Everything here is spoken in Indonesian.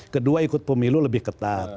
kedua ikut pemilu lebih ketat